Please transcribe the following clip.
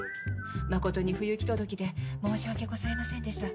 誠に不行き届きで申し訳ございませんでした。